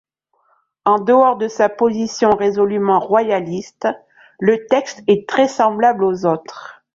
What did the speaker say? En dehors de sa position résolument royaliste, le texte est très semblable aux autres.